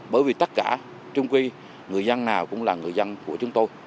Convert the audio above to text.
bởi vì tất cả trung quy người dân nào cũng là người dân của chúng tôi